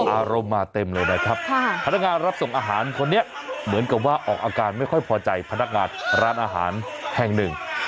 อารมณ์มาเต็มเลยนะครับพนักงานรับส่งอาหารคนนี้เหมือนกับว่าออกอาการไม่ค่อยพอใจพนักงานร้านอาหารแห่งหนึ่ง